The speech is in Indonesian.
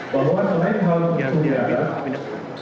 bahwa selain hal penyelidikan